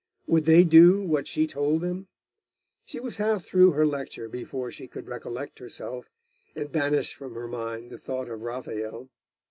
Would they do what she told them? She was half through her lecture before she could recollect herself, and banish from her mind the thought of Raphael.